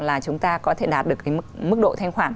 là chúng ta có thể đạt được cái mức độ thanh khoản